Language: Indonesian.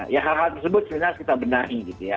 ya hal hal tersebut sebenarnya harus kita benahi gitu ya